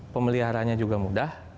pemeliharannya juga mudah